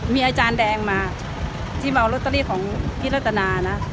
มีอาจารย์แดงมาที่เมาลอตเตอรี่ของพี่รัตนานะ